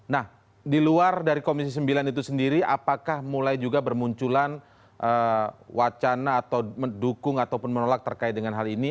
nah di luar dari komisi sembilan itu sendiri apakah mulai juga bermunculan wacana atau mendukung ataupun menolak terkait dengan hal ini